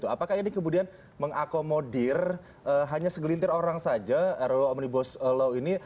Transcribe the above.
apakah ini kemudian mengakomodir hanya segelintir orang saja ruu omnibus law ini